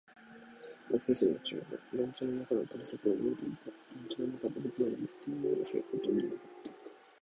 夏休みも中盤。団地の中の探索は終えていた。団地の中で僕らが行っていない場所はほとんどなかった。